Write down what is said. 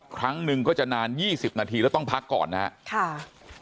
ครั้งหนึ่งก็จะนาน๒๐นาทีแล้วต้องพักก่อนนะครับ